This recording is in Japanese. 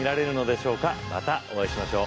またお会いしましょう。